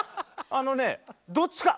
あのねどっちか。